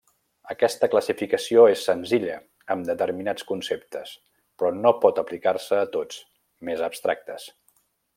Aquesta classificació és senzilla amb determinats conceptes, però no pot aplicar-se a tots, més abstractes.